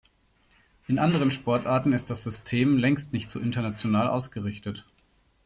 In anderen Sportarten ist das System längst nicht so international ausgerichtet.